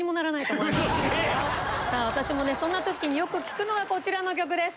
私もねそんな時によく聴くのがこちらの曲です。